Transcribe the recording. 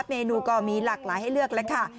เมนูก็มีหลากหลายให้เลือกแล้วค่ะ